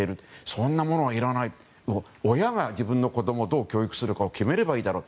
そんなものはいらない親が自分の子供をどう教育するか決めればいいだろう。